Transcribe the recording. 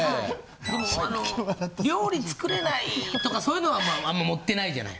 でも料理作れないとかそういうのはあんま盛ってないじゃない。